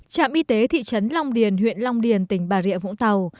trạm y tế thị trấn long điền huyện long điền tỉnh bà rịa vũng tàu